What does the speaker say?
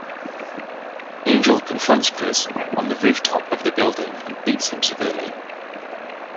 Angel confronts Gris on the rooftop of the building and beats him severely.